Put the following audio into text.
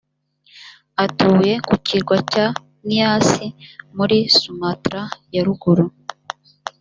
atuye ku kirwa cya nias muri sumatra ya ruguru